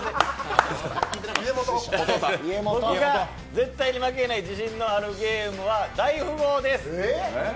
絶対に負けない自信があるゲームは大富豪です。